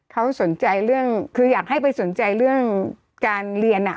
เขาสนใจเรื่องคืออยากให้ไปสนใจเรื่องการเรียน